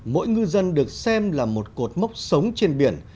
mỗi ngư dân được xem là một cột mốc sống trên biển